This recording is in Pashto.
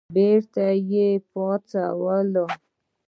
بېرته یې پاڅول.